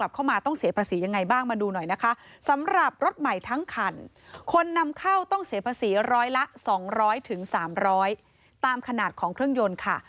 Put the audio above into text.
รถส่วนบุคคล๑๐๐ตามขนาดของเครื่องยนต์ค่ะ